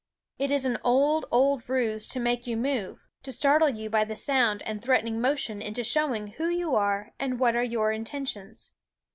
It is an old, old ruse to make you move, to startle you by the sound and threat ening motion into showing who you are and what are your intentions.